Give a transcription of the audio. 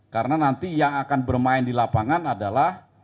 karena nanti yang akan bermain di lapangan adalah